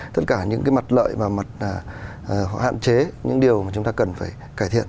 tất cả những cái mặt lợi và mặt họ hạn chế những điều mà chúng ta cần phải cải thiện